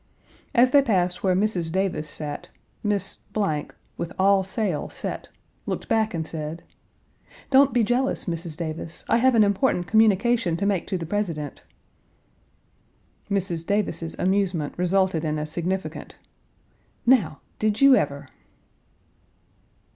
As they passed where Mrs. Davis sat, Miss , with all sail set, looked back and said: "Don't be jealous, Mrs. Davis; I have an important communication to make to the President." Mrs. Davis's amusement resulted in a significant "Now! Did you ever?"